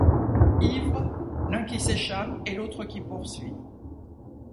Ivres, l’un qui s’échappe et l’autre qui poursuit